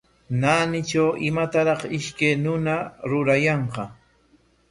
Naanitraw imataraq ishkay runa ruraykaayan.